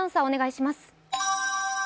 お願いします。